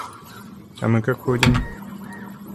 А мы как ходим?